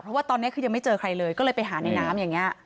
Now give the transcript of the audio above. เพราะว่าตอนนี้คือยังไม่เจอใครเลยก็เลยไปหาในน้ำอย่างนี้